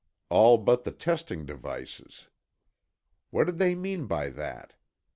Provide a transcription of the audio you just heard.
All but the "testing devices." What did they mean by that?